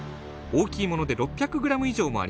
大きいもので６００ｇ以上もあります。